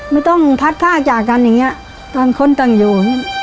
ไม่ต้องพัดพร่ากันอย่างเงี้ยตามคนตามอยู่